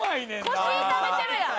腰痛めてるやん。